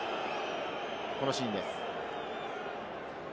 このシーンです。